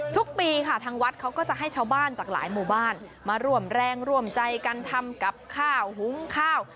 ทุกปีค่ะทางวัดเขาก็จะให้ชาวบ้านจากหลายหมู่บ้านมาร่วมแรงร่วมใจกันทำกับข้าวหุ้งข้าว